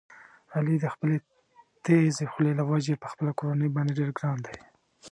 علي د خپلې تېزې خولې له وجې په خپله کورنۍ باندې ډېر ګران دی.